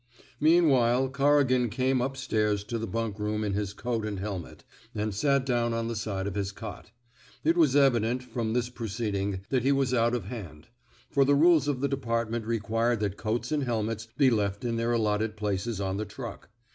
Meanwhile, Corrigan came up stairs to the bunkroom in his coat and helmet, and sat down on the side of his cot. It was evident, from this proceeding, that he was out of hand; for the rules of the department re quired that coats and helmets be left in their allotted places on the truck.